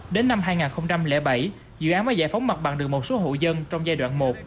đến năm hai nghìn bảy dự án mới giải phóng mặt bằng được một số hộ dân trong giai đoạn một